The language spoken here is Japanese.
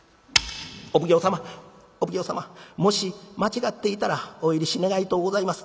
「お奉行様お奉行様もし間違っていたらお許し願いとうございます。